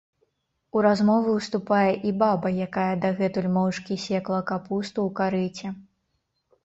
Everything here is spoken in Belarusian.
У размову ўступае і баба, якая дагэтуль моўчкі секла капусту ў карыце.